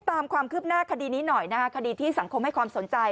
ตามความคืบหน้าคดีนี้หน่อยนะคะคดีที่สังคมให้ความสนใจ